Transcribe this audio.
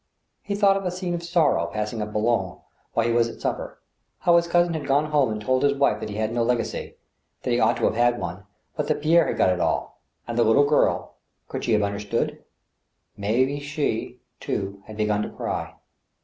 He thought of a scene of sorrow passing at Boulogne while he was at supper — ^how his cousin had gone home and told his wife that he had had no legacy, that he ought to have had one, but that Pierre had got it all. And the little girl, could she have under stood ? May be she, too, had began to cry.